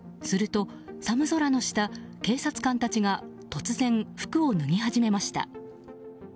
すると寒空の下、警察官たちが突然、服を脱ぎ始めました。